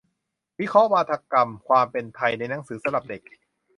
วิเคราะห์วาทกรรม "ความเป็นไทย" ในหนังสือสำหรับเด็ก